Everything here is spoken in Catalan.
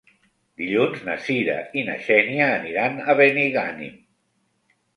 Dilluns na Cira i na Xènia aniran a Benigànim.